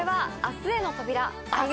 『明日への扉』。